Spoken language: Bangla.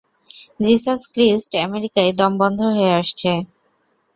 জিসাস ক্রিস্ট আমেরিকায় দম বন্ধ হয়ে আসছে।